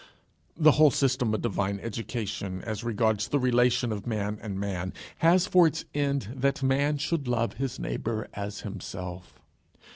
The whole system of divine education as regards the relation of man and man, has for its end that a man should love his neighbour as himself.